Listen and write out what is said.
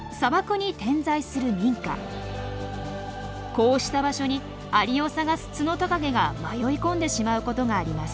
こうした場所にアリを探すツノトカゲが迷い込んでしまうことがあります。